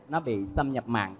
nó bị xâm nhập mặn